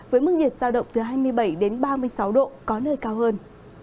với mức nhiệt giao động từ hai mươi bảy đến ba mươi sáu độ có nơi cao hơn